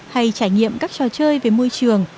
hay trải nghiệm các trò chơi về môi trường